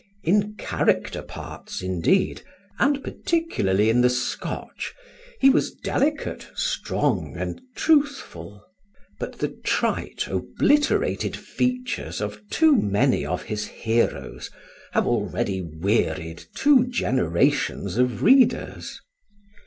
In character parts, indeed, and particularly in the Scotch, he was delicate, strong and truthful; but the trite, obliterated features of too many of his heroes have already wearied two generations of readers.